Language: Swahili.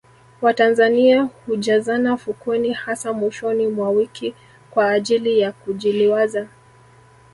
watanzania hujazana fukweni hasa mwishoni mwa wiki kwa ajili ya kujiliwaza